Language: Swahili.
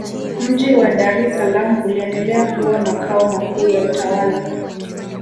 mji wa dar es salaam uliendelea kuwa makao makuu ya utawala